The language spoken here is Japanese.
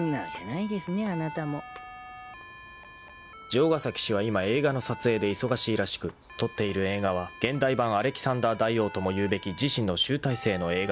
［城ヶ崎氏は今映画の撮影で忙しいらしく撮っている映画は現代版『アレキサンダー大王』ともいうべき自身の集大成の映画らしい］